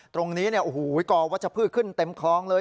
ตรงนี้เนี่ยโอ้โหกอวัชพืชขึ้นเต็มคลองเลย